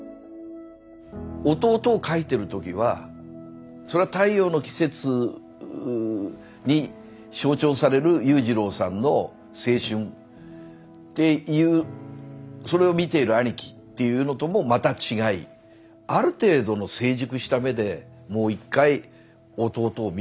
「弟」を書いてる時はそれは「太陽の季節」に象徴される裕次郎さんの青春っていうそれを見ている兄貴っていうのともまた違いある程度の成熟した目でもう一回弟を見るわけですから。